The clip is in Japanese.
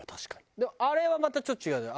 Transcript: でもあれはまたちょっと違うじゃん。